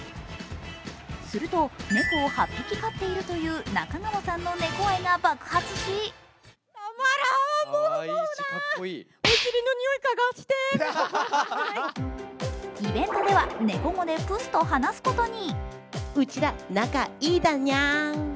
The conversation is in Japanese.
すると、猫を８匹飼っているという中川さんの猫愛が爆発しイベントでは猫語でプスと話すことに。